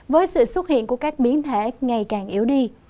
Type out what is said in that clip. với sự xuất hiện của các biến thể ngày càng yếu đi